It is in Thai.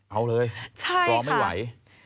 เอาเลยรอไม่ไหว